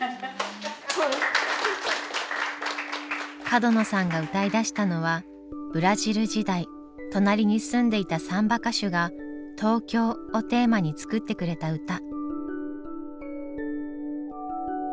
角野さんが歌いだしたのはブラジル時代隣に住んでいたサンバ歌手が「東京」をテーマに作ってくれた歌。